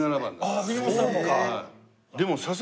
あっ藤本さんもか。